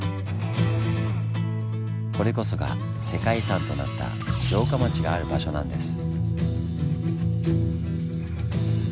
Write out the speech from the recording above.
これこそが世界遺産となった城下町がある場所なんです。